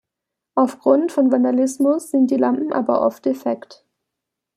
Aufgrund von Vandalismus sind die Lampen aber oft defekt.